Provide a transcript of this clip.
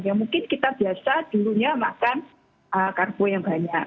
ya mungkin kita biasa dulunya makan karbo yang banyak